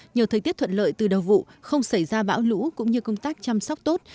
nhờ thời tiết thuận lợi từ đầu vụ không xảy ra bão lũ cũng như công tác chăm sóc tốt